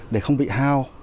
để không bị hao